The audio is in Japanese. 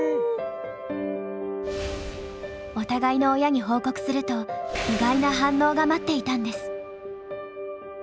お互いの親に報告すると意外な反応が待っていたんです。